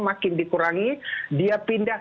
makin dikurangi dia pindah